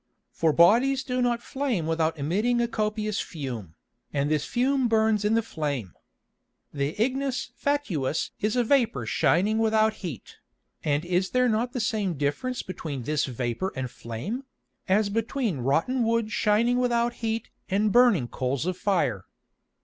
For Bodies do not flame without emitting a copious Fume, and this Fume burns in the Flame. The Ignis Fatuus is a Vapour shining without heat, and is there not the same difference between this Vapour and Flame, as between rotten Wood shining without heat and burning Coals of Fire?